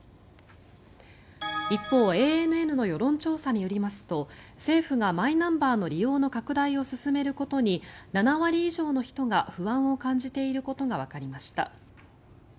一方ＡＮＮの世論調査によりますと政府がマイナンバーの利用の拡大を進めることに７割以上の人が不安を感じていることがわかりました。